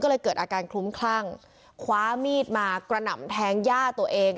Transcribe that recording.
ก็เลยเกิดอาการคลุ้มคลั่งคว้ามีดมากระหน่ำแทงย่าตัวเอง